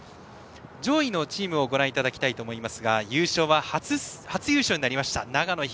上位のチームをご覧いただきたいと思いますが優勝は初優勝になりました長野東。